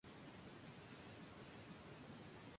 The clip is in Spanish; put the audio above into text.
Este grupo es conocido como los alemanes del mar Negro.